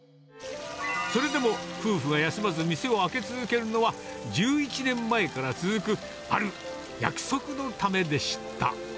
それでも、夫婦が休まず店を開け続けるのは、１１年前から続く、ある約束のためでした。